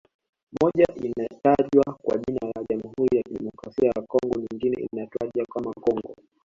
Moja inatajwa kwa jina la Jamhuri ya Kidemokrasia ya Congo nyingine ikitajwa kama Congo